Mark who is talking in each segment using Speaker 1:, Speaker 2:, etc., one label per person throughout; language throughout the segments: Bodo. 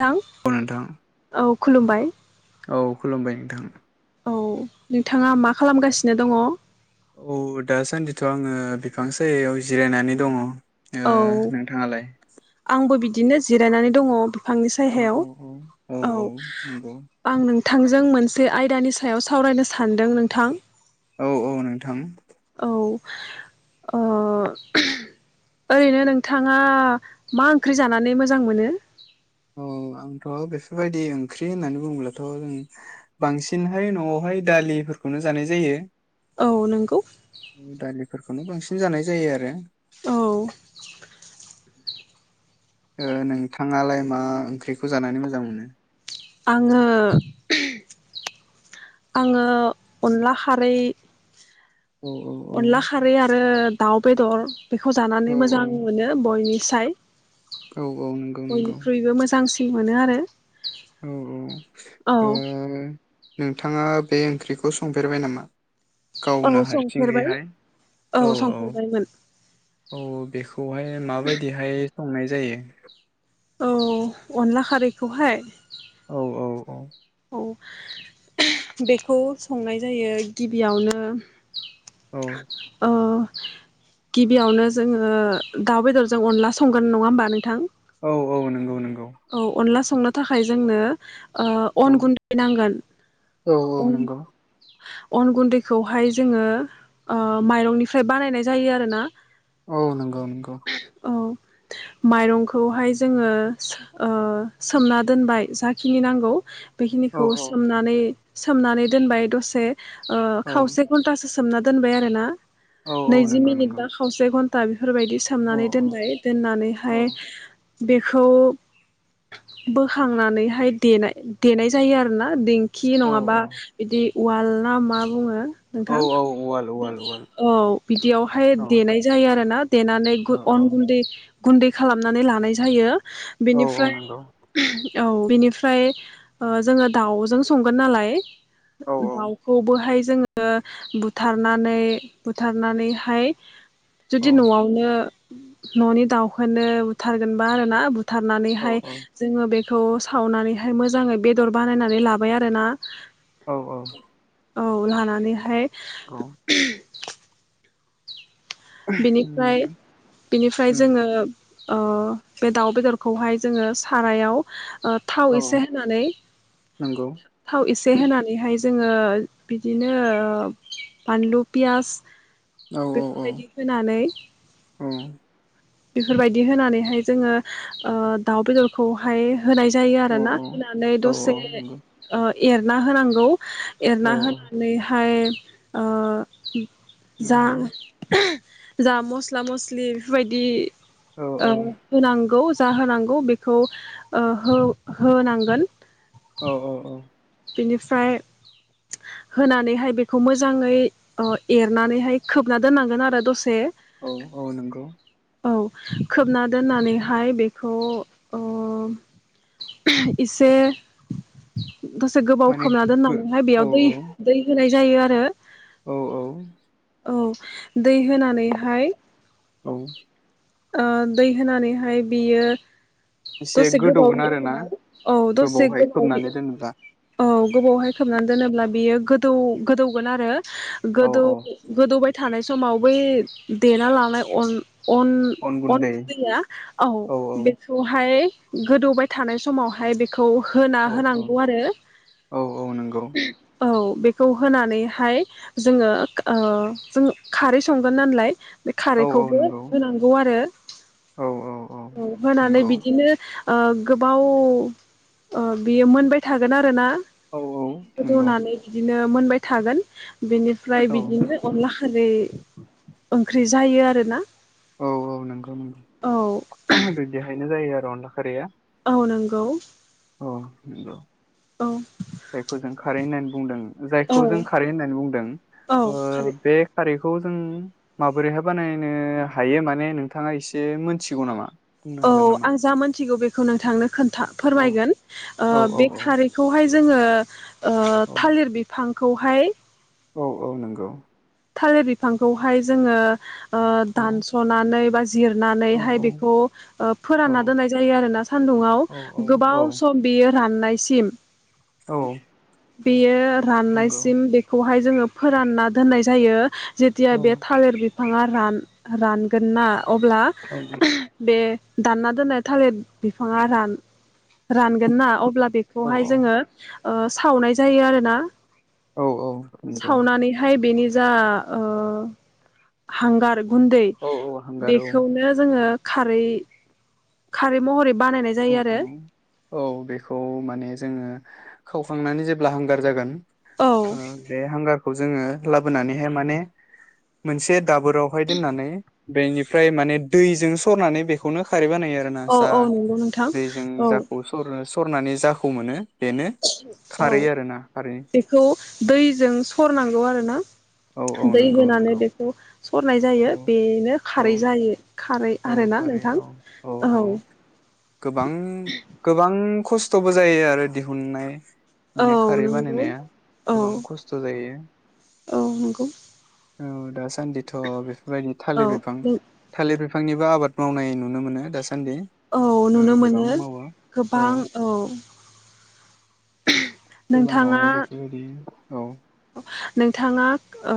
Speaker 1: थां
Speaker 2: औ नोंथां
Speaker 1: औ खुलुमबाय
Speaker 2: औ खुलुमबाय नोंथां
Speaker 1: औ। [inaudible] थांआ मा खालामगासिनो दंङ?
Speaker 2: थ आंङो बिफां सायायाव जिरायनानै दंङ। ओ नोंथांआलाय?
Speaker 1: दिनो जिरायनानै दङ। फांनि सायहायाव
Speaker 2: औ औ
Speaker 1: औ
Speaker 2: नंगौ
Speaker 1: आं नों थांजों मोनसे आयदानि सायाव सावरायनो सानदों नोंथां।
Speaker 2: औ औ नोंथां।
Speaker 1: औ ओ ओरैनो नोंथाङा मा ओंख्रि जानानै मोजां मोनो?
Speaker 2: औ आंथ बेफोरबायदि ओंख्रि होननानै बुङोब्लाथ जों बांसिनहाय नआवहाय दालिफोरखौनो जानाय जायो।
Speaker 1: औ नोंगौ।
Speaker 2: फोरखौनो बांसिन जानाय जायो आरो।
Speaker 1: औ।
Speaker 2: [inaudible] ओ नोंथाङालाय मा ओंख्रिखौ जानानै मोजां मोनो?
Speaker 1: आङो आङो अनला खारै।
Speaker 2: औ औ औ
Speaker 1: अनला खारै आरो। दाउ बेदर। बेखौ
Speaker 2: औ
Speaker 1: जानानै मोजां मोनो बयनि साय।
Speaker 2: औ औ नंगौ नंगौ
Speaker 1: बयनिख्रुइबो मोजांसि मोनो आरो।
Speaker 2: औ औ
Speaker 1: औ
Speaker 2: ओ नोंथाङा बे ओंख्रिखौ संफेरबाय नामा?
Speaker 1: औ
Speaker 2: गावनो
Speaker 1: संफेरबाय
Speaker 2: हारसिंयैहाय औ औ औ बेखौहाय माबायदिहाय। संनाय जायो?
Speaker 1: औ अनला खारैखौहाय।
Speaker 2: औ औ औ।
Speaker 1: औ बेखौ संनाय जायो गिबियावनो ओ गिबियावनो जोङो दाउ बेदरजों अनला संगोन नङा होमबा नोंथां।
Speaker 2: औ औ नंगौ नंगौ।
Speaker 1: औ अनलास। संनो थाखाय जोंनो। ओ
Speaker 2: औ
Speaker 1: अन गुन्दै नांगोन।
Speaker 2: औ औ नंगौ।
Speaker 1: अन गुन्दैखौहाय जोङो ओ माइरंनिफ्राय बानायनाय जायो आरोना।
Speaker 2: औ नंगौ। गौ।
Speaker 1: औ माइरंखौहाय जोङो ओ सोमना दोनबाय जाखिनि नांगौ
Speaker 2: औ
Speaker 1: बेखिनिखौ
Speaker 2: औ
Speaker 1: सोमनानै सोमनानै दोनबाय दसे। ओ
Speaker 2: औ
Speaker 1: खावसे घन्टासो सो सोमना दोनबाय आरो ना।
Speaker 2: औ औ
Speaker 1: नैजि
Speaker 2: नंगौ
Speaker 1: मिनिट
Speaker 2: नंगौ।
Speaker 1: बा खावसे घन्ट दा बेफोरबायदि
Speaker 2: औ
Speaker 1: सोमनानै दोनबाय
Speaker 2: औ
Speaker 1: दोननानैहाय बेखौ बोखांनानैहाय देनाय देनाय जायो आरोना देंखि
Speaker 2: औ
Speaker 1: नङाबा बिदि उवाल ना मा बुङो?
Speaker 2: औ
Speaker 1: नोंथां
Speaker 2: औ उवाल उवाल
Speaker 1: बिदि
Speaker 2: उवाल
Speaker 1: औ बिदियावहाय
Speaker 2: औ
Speaker 1: देनाय जायो आरोना। देनानै
Speaker 2: औ
Speaker 1: अन गुन्दै गुन्दै खालामनानै लानाय जायो।
Speaker 2: औ औ
Speaker 1: बेनिफ्राय
Speaker 2: नंगौ
Speaker 1: औ बिनिफ्राय ओ जोङो दाउजों संगोन नालाय।
Speaker 2: औ
Speaker 1: दाउखौबोहाय जोङो बुथारनानै बुथारनानैहाय
Speaker 2: औ
Speaker 1: जुदि न'आवनो न'नि दाउखोनो बुथारगोनबा आरोना बु थारनानैहाय
Speaker 2: औ
Speaker 1: जोङो बे खौ सावनानैहाय मोजाङै बेदर बानायनानै लाबाय आरोना।
Speaker 2: औ औ।
Speaker 1: औ लानानैहाय
Speaker 2: औ।
Speaker 1: बिनिफ्राय
Speaker 2: उम
Speaker 1: बिनिफ्राय
Speaker 2: उम
Speaker 1: जोङो अ बे दाउ बेदरखौहाय जोङो सारायाव ओ थाव
Speaker 2: औ
Speaker 1: एसे होनानै
Speaker 2: नंगौ
Speaker 1: थाव एसे होनानैहाय जोङो बिदिनो ओ बानलु, पियास
Speaker 2: औ औ औ।
Speaker 1: नानै।
Speaker 2: औ
Speaker 1: बेफोरबायदि होनानैहाय जोङो ओ दाउ बेदरखौहाय होनाय जायो
Speaker 2: औ
Speaker 1: आरोना होनानै
Speaker 2: औ औ
Speaker 1: दसे
Speaker 2: नंगौ
Speaker 1: ओ एरना होनांगौ।
Speaker 2: औ
Speaker 1: एरना होनानैहाय ओ जा
Speaker 2: नंगौ
Speaker 1: जा मस्ला मस्लि बेफोरबायदि दि
Speaker 2: औ
Speaker 1: ओ
Speaker 2: औ
Speaker 1: होनांगौ। जा होनांगौ बेखौ ओ हौ होनांगोन
Speaker 2: औ औ औ
Speaker 1: बेनिफ्राय होनानैहाय बेखौ मोजाङै अ एरनानैहाय खोबना दोननांगोन आरो दसे।
Speaker 2: औ औ नोंगौ
Speaker 1: औ खोबना दोननानैहाय बेखौ ओ इसे दसे गोबाव
Speaker 2: माने
Speaker 1: खोबना
Speaker 2: गो
Speaker 1: दोननांगौहाय
Speaker 2: औ
Speaker 1: बेयाव दै दै होनाय जायो आरो।
Speaker 2: औ
Speaker 1: औ दै होनानैहाय
Speaker 2: औ
Speaker 1: ओ दै होनानैहाय बियो
Speaker 2: एसे
Speaker 1: दसे
Speaker 2: गोदौगोन
Speaker 1: गोबावनि
Speaker 2: आरोना
Speaker 1: उनाव औ दसे
Speaker 2: गोबावहाय
Speaker 1: गोबाव
Speaker 2: खोबनानै दोनोब्ला?
Speaker 1: औ गोबावहाय खोबनानै दोनोब्ला बेयो गोदौ गोदौगोन आरो
Speaker 2: औ
Speaker 1: गोदौ
Speaker 2: औ
Speaker 1: गोदौबाय थानाय समाव बै देना लांनाय अन अन अन गुन्दैया औ बेखौहाय गोदौबाय थानाय समावहाय बे खौ होना
Speaker 2: औ
Speaker 1: होनांगौ
Speaker 2: औ
Speaker 1: आरो
Speaker 2: औ औ नंगौ
Speaker 1: औ। बेखौ होनानैहाय जोङो ओ जों खारै संगोन नालाय बे
Speaker 2: औ औ
Speaker 1: खारैखौबो
Speaker 2: नंगौ
Speaker 1: गौ आरो
Speaker 2: औ औ
Speaker 1: औ होनानै
Speaker 2: नंगौ
Speaker 1: बिदिनो ओ गोबाव ओ बियो मोनबाय थागोन आरो ना।
Speaker 2: औ औ नंगौ
Speaker 1: रुनानै बिदिनो मोनबाय थागोन। बेनिफ्राय
Speaker 2: औ
Speaker 1: बिदिनो अनला खारै ओंख्रि जायो आरोना।
Speaker 2: औ औ नोंगौ
Speaker 1: औ
Speaker 2: बिदिहायनो जायो आरो। अनला खारिया
Speaker 1: औ नंगौ।
Speaker 2: अ
Speaker 1: औ
Speaker 2: जायखौ जों खारै होननानै बुंदों जायखौ जों
Speaker 1: औ
Speaker 2: खारै होननानै बुंदों
Speaker 1: औ
Speaker 2: ओ
Speaker 1: खारै
Speaker 2: बे खारै बेखौ जों माबोरैहाय बानायनो हायो माने नोंथाङा एसे मोनथिगौ नामा? बुंनो
Speaker 1: औ
Speaker 2: हागोन नामा?
Speaker 1: आं जा मोनथिगौ बेब बेखौ नोंथांनो खोथा
Speaker 2: औ
Speaker 1: फोरमायगोन ओ
Speaker 2: औ औ
Speaker 1: बे खारैखौहाय जोङो ओ
Speaker 2: औ
Speaker 1: थालिर बिफां खौहाय
Speaker 2: औ औ नंगौ
Speaker 1: थालिर बिफांखौहाय जोङो ओ
Speaker 2: औ
Speaker 1: दानस'नानै बा
Speaker 2: औ
Speaker 1: जिरनानैहाय
Speaker 2: औ
Speaker 1: बेखौ ओ
Speaker 2: औ
Speaker 1: फोरानना दोननाय जायो आरोना सान्दुुंआव
Speaker 2: औ
Speaker 1: गोबाव सम बियो राननाय सिम
Speaker 2: औ
Speaker 1: बेयो
Speaker 2: नंगौ
Speaker 1: राननायसिम बेखौहाय जोङो फोरानना दोननाय जायो। जेथिया
Speaker 2: औ
Speaker 1: बे थालिर बिफाङा रान-रानगोन ना अब्ला
Speaker 2: औ
Speaker 1: बे दानना दोननाय थालिर बिफाङा रान रानगोन ना अब्ला
Speaker 2: औ
Speaker 1: बेखौहाय जोङो ओ सावनाय जायो आरो ना?
Speaker 2: औ औ नंगौ
Speaker 1: सावनानैहाय बेनि जा ओ हांगार गुन्दै
Speaker 2: औ औ हांगार औ
Speaker 1: बेखौनो जोङो खारै खारै महरै बानायनाय
Speaker 2: औ
Speaker 1: जायो
Speaker 2: औ
Speaker 1: आरो।
Speaker 2: औ बेखौ माने जोङो खावखांनानै जेब्ला हांगार जागोन औ बे हांगार खौ जोङो लाबोनानैहाय माने मोनसे दाबोरावहाय दोननानै बेनिफ्राय माने दैजों सरनानै बेखौनो खारै बानाय [unintelligible] जा
Speaker 1: औ नंगौ नोंथां
Speaker 2: दैजों
Speaker 1: औ
Speaker 2: जाखौ सरो सरनानै जाखौ मोनो बेनो
Speaker 1: औ
Speaker 2: खारै आरोना खारै
Speaker 1: बेखौ दैजों सरनांगौ आरोना
Speaker 2: औ औ
Speaker 1: दै
Speaker 2: नंगौ
Speaker 1: होनानै
Speaker 2: नंगौ
Speaker 1: बेखौ सरनाय
Speaker 2: औ
Speaker 1: जायो बेनो
Speaker 2: औ
Speaker 1: खारै जायो खारै
Speaker 2: औ
Speaker 1: आरो ना
Speaker 2: खारै
Speaker 1: नोंथां
Speaker 2: औ
Speaker 1: औ
Speaker 2: गोबां गोबां खस्थ'बो जायो आरो दिहुननाय
Speaker 1: औ
Speaker 2: माने खारै
Speaker 1: नंगौ
Speaker 2: बानायनाया
Speaker 1: औ
Speaker 2: गोबां खस्थ' जायो
Speaker 1: औ नंगौ
Speaker 2: औ दा थ' बेफोरबायदि थालिर बिफां
Speaker 1: औ
Speaker 2: थालिर बिफां बिफांनिबो आबाद मावनाय नुनो मोनो दासिम।
Speaker 1: औ नुनो मोनो गोबां औ
Speaker 2: गोबाङावनो
Speaker 1: नोंथाङा
Speaker 2: बेफोरबायदि औ
Speaker 1: नोंथाङा ओ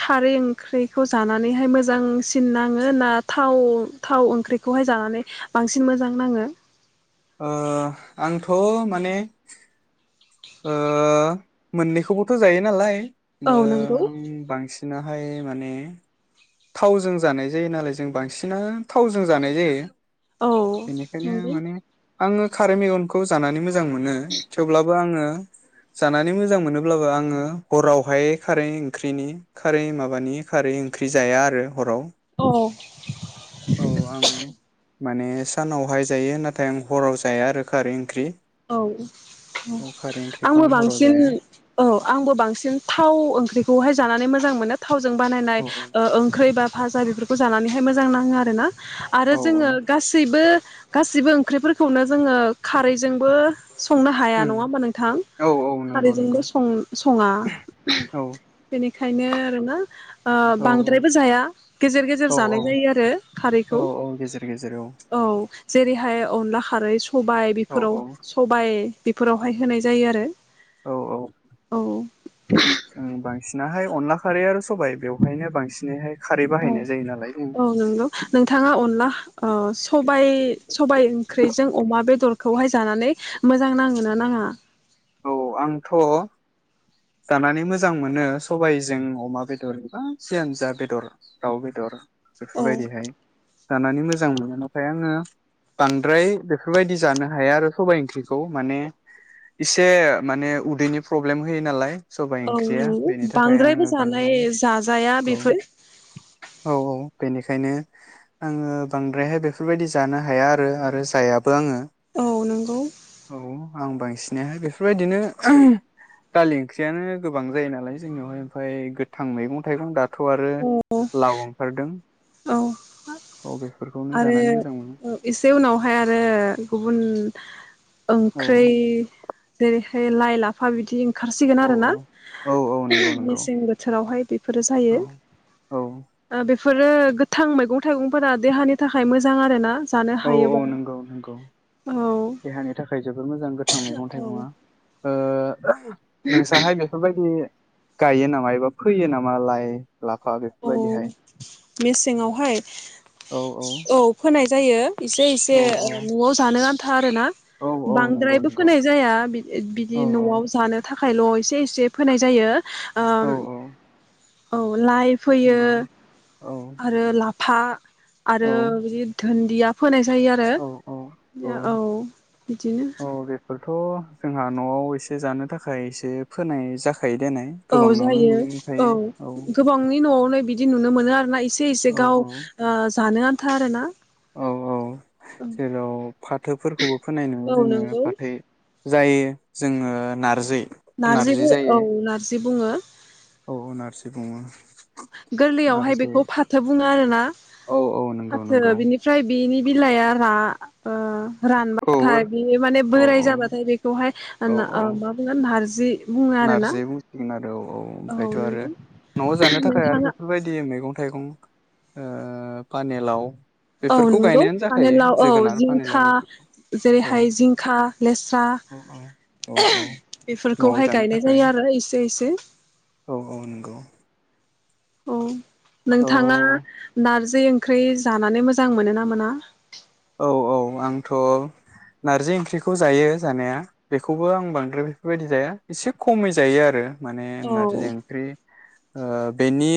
Speaker 1: खारै ओंख्रिखौ जानानैहाय मोजांसिन नाङो ना थाव थाव ओंख्रिखौहाय जानानै बांसिन मोजां नाङो
Speaker 2: ओ आंथ' माने ओ मोननैखौबोथ' जायो नालाय
Speaker 1: औ नंगौ
Speaker 2: बांसिन बिदिनाहाय माने थावजों जानाय जायो नालाय जों बांसिनानो थावजों जानाय जायो
Speaker 1: औ
Speaker 2: बेनिखायनो
Speaker 1: नंगौ
Speaker 2: माने आङो खारै मेगंखौ जानानै मोजां मोनो थेवब्लाबो आङो जानानै मोजां मोनोब्लाबो आङो हरावहाय खारै ओंख्रिनि खारै माबानि खारै ओंख्रि जाया आरो हराव
Speaker 1: औ [inaudible]
Speaker 2: औ आं माने सानावहाय जायो नाथाय आं हराव जाया आरो खारै ओंख्रि
Speaker 1: औ
Speaker 2: औ खारै ओंख्रिखौ
Speaker 1: आंबो
Speaker 2: आं हराव जाया
Speaker 1: बांसिन औ आंबो बांसिन थाव ओंख्रिखौहाय जानानै मोजां मोनो थावजों बानायनाय
Speaker 2: औ
Speaker 1: ओंख्रै बा फाजा बेफोरखौ जानानैहाय मोजां नाङो आरोना आरो
Speaker 2: औ औ
Speaker 1: जोङो गासिबो गासिबो ओंख्रिफोरखौनो जोङो खारै जोंबो संनो हाया
Speaker 2: उम
Speaker 1: नङा होमबा नोंथां
Speaker 2: औ औ नंगौ
Speaker 1: खारैजोंबों
Speaker 2: नंगौ
Speaker 1: सं सङा
Speaker 2: औ
Speaker 1: बेनिखा ओंखायनो आरोना
Speaker 2: औ
Speaker 1: बांद्रायबो जाया गेजेर गेजेर
Speaker 2: औ
Speaker 1: जानाय
Speaker 2: औ
Speaker 1: जायो आरो
Speaker 2: औ
Speaker 1: खारैखौ
Speaker 2: औ गेजेर गेजेर
Speaker 1: औ जेरैहाय अनला खारै सबाइ
Speaker 2: औ
Speaker 1: फोराव
Speaker 2: औ
Speaker 1: सबाय बेफोरावहाय होनाय जायो आरो
Speaker 2: औ औ
Speaker 1: औ
Speaker 2: जों बांसिन। नाहाय अनला खारै आरो सबाय बेवहायनो बांसिनैहाय खारै
Speaker 1: औ
Speaker 2: बाहायनाय जायो नालाय जों
Speaker 1: औ नंगौ नोंथाङा
Speaker 2: बेवहाय
Speaker 1: अनला ओ सबाय सबाय ओंख्रिजों अमा बेदरखौहाय जानानै मोजां नाङो ना नाङा?
Speaker 2: औ आंथ जानानै मोजां मोनो सबायजों अमा बेदर बा जियानोजा बेदर दाउ बेदर।
Speaker 1: औ
Speaker 2: बेफोरबायदिहाय जानानै मोजां मोनो नाथाय आङो बांद्राय बेफोरबायदि जानो हाया आरो सबाय ओंख्रिखौ माने इसे माने उदैनि प्रब्लेम होयो नालाय। सबाय
Speaker 1: औ
Speaker 2: ओंख्रिया
Speaker 1: नंगौ
Speaker 2: बेनि थाखाय
Speaker 1: बांद्रायबो
Speaker 2: आङो
Speaker 1: जानाय
Speaker 2: बांद्राय
Speaker 1: जाजाया
Speaker 2: औ
Speaker 1: बेफोर
Speaker 2: औ औ। बेनिखायनो आङो बांद्रायहाय बेफोरबायदि जानो हाया आरो आरो जायाबो आङो।
Speaker 1: औ नांगौ।
Speaker 2: औ आं बांसिनाहाय बेफोरबायदिनो दालि ओंख्रियानो गोबां जायो नालाय जोंनियावहाय ओमफ्राय गोथां मैगं थाइगं दाथ आरो लाव ओंखारदों
Speaker 1: औ
Speaker 2: अबे
Speaker 1: आरो एसे उनावहाय आरो गुबुन।
Speaker 2: औ
Speaker 1: ओंख्रै जेरैहाय लाइ लाफा बिदि। ओंखारसिगोन
Speaker 2: औ
Speaker 1: आरोना
Speaker 2: औ औ नंगौ नंगौ
Speaker 1: मेसें बोथोरावहाय बेफोरो
Speaker 2: औ
Speaker 1: जायो।
Speaker 2: औ
Speaker 1: बेफोरो गोथां मैगं थाइगंफोरा देहानि। थाखाय मोजां आरो ना?
Speaker 2: औ औ नंगौ नंगौ
Speaker 1: औ
Speaker 2: देहानि थाखाय जोबोर मोजां गोथां मैगं थाइगङा ओ नोंसाहाय बेफोरबायदि गायो नामा एबा फैयो नामा लाय
Speaker 1: औ मेसेंआवहाय औ फोनाय जायो। एसे इसे
Speaker 2: औ
Speaker 1: ओ नआव जानो आन आरोना
Speaker 2: औ औ नंगौ
Speaker 1: बांद्रायबो
Speaker 2: नंगौ
Speaker 1: फोनाय जाया बिदि
Speaker 2: औ
Speaker 1: बिदि नआव जानो थाखायल एसे एसे इसे फोनाय जायो
Speaker 2: औ
Speaker 1: ओम
Speaker 2: औ
Speaker 1: औ लाइ फैयो
Speaker 2: नंगौ औ
Speaker 1: आरो ला था आरो
Speaker 2: औ
Speaker 1: बिदि धोन दिया फोनाय ज जायो
Speaker 2: औ
Speaker 1: आरो औ बिदिनो
Speaker 2: औ बेफोरथ जोंहा नआव एसे जानो थाखाय एसे फोनाय जाख
Speaker 1: औ जायो औ गोबांनि न'आवनो बिदि नुनो मोनो आरो ना इसे एसे एसे
Speaker 2: औ
Speaker 1: गाव ओ जानो आन था आरोना।
Speaker 2: औ औ जेराव फाथोफोरखौबो फोनाय नुयो
Speaker 1: औ
Speaker 2: जोङो
Speaker 1: नंगौ
Speaker 2: फाथै जाय जोङो नारजि नारजि
Speaker 1: नारजिबो
Speaker 2: जायो
Speaker 1: औ नारजि बुङो।
Speaker 2: औ नारसि बुङो।
Speaker 1: गोरलैयावहाय
Speaker 2: नारजि
Speaker 1: बेखौ फाथो बुङो आरो ना
Speaker 2: औ औ नंगौ
Speaker 1: फाथो
Speaker 2: नंगौ
Speaker 1: बिनिफ्राय बेनि बिलाया रा ओ
Speaker 2: औ आरो
Speaker 1: रानबाथाय बेयो माने
Speaker 2: औ
Speaker 1: बोराय
Speaker 2: औ
Speaker 1: जाबाथाय बेखौहाय
Speaker 2: औ
Speaker 1: ना
Speaker 2: औ
Speaker 1: ओ मा बुंगोन नारजि बुङो आरोना
Speaker 2: नारजि बुंसिगोन आरो औ। औ ओमफ्रायथ' आरो न'आव जानो थाखाय आरो
Speaker 1: नोंथाङा
Speaker 2: बेफोरबायदि मैगं थाइगं ओ पानेलाव
Speaker 1: औ
Speaker 2: बेफोरखौ
Speaker 1: नंगौ
Speaker 2: गायनायानो जाखायो
Speaker 1: पानेलाव औ
Speaker 2: जोगोनार फानिलाव
Speaker 1: जिंखा
Speaker 2: बेफोरखौ
Speaker 1: जेरैहाय
Speaker 2: औ
Speaker 1: जिंखा, लेस्रा
Speaker 2: औ औ औ न'आव
Speaker 1: बेफोरखौहाय
Speaker 2: जानो
Speaker 1: गायनाय
Speaker 2: थाखाय
Speaker 1: जायो आरो इसे इसे।
Speaker 2: औ औ नंगौ
Speaker 1: औ।
Speaker 2: औ
Speaker 1: नोंथाङा नारजि ओंख्रि जानानै मोजां मोनो ना मोना?
Speaker 2: औ औ आंथ' नारजि ओंख्रिखौ जायो जानाया बेखौबो आं बांद्राय बेफोरबायदि जाया एसे खमै जायो आरो। माने नारजि
Speaker 1: औ
Speaker 2: ओंख्रि ओ बेनि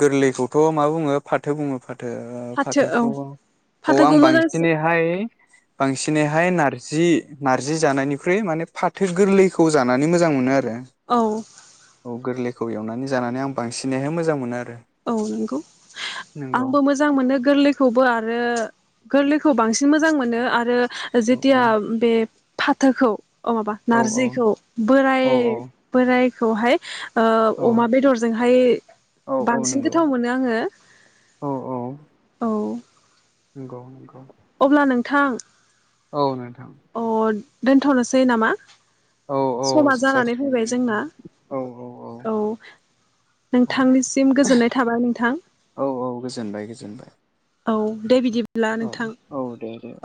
Speaker 2: गोरलैखौथ' मा बुङो फाथो बुङो फा थो ओ
Speaker 1: फाथो औ
Speaker 2: फाथोखौ औ आं
Speaker 1: फाथोखौ
Speaker 2: बांसिन
Speaker 1: मोजांसिन
Speaker 2: दिनैहाय बांसिनैहाय नारजि नार्जि जानायनिख्रुइ माने फाथो गोरलैखौ जानानै मोजां मोनो आरो।
Speaker 1: औ।
Speaker 2: औ गोरलैखौ एवनानै जानानै आं बांसिनैहाय मोजां मोनो आरो।
Speaker 1: औ नंगौ
Speaker 2: नंगौ
Speaker 1: आंबो मोजां मोनो गोरलैखौबो आरो गोरलैखौ बांसिन मोजां मोनो आरो
Speaker 2: औ
Speaker 1: जेथिया
Speaker 2: औ
Speaker 1: बे फाथोखौ। अ माबा
Speaker 2: औ
Speaker 1: नारजिखौ बोराय
Speaker 2: औ
Speaker 1: बोराय। बे खौहाय।
Speaker 2: औ
Speaker 1: ओ अमा बेदरजोंहाय।
Speaker 2: औ औ
Speaker 1: बांसिन
Speaker 2: नंगौ
Speaker 1: गोथाव मोनो आङो।
Speaker 2: औ औ
Speaker 1: औ।
Speaker 2: नंगौ नंगौ।
Speaker 1: अब्ला नोंथां।
Speaker 2: औ नोंथां।
Speaker 1: अ दोनथ'नोसै नामा।
Speaker 2: औ औ
Speaker 1: समा जानानै
Speaker 2: जासिगोन दे
Speaker 1: फैबाय जोंना
Speaker 2: नोंथां औ औ औ औ
Speaker 1: नोंथांनिसिम गोजोननाय थाबाय नोंथां
Speaker 2: औ औ गोजोनबाय गोजोनबाय।
Speaker 1: औ दे बिदि।
Speaker 2: औ औ दे दे औ।